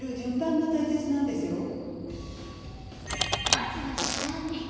まずは下着。